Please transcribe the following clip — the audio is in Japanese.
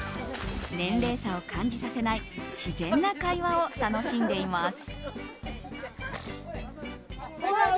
年齢差を感じさせない自然な会話を楽しんでいます。